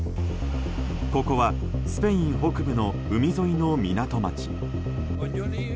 ここは、スペイン北部の海沿いの港町。